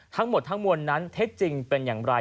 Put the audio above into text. ทั้งหมดทั้งมวลนั้นเท็จจริงเป็นอย่างไร